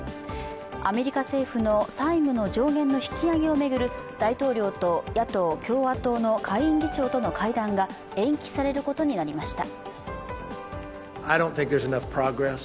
アメリカ政府の債務の上限の引き上げを巡る、大統領と野党・共和党の下院議長との会談が延期されることになりました。